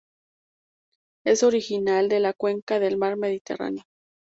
Es original de la cuenca del mar Mediterráneo.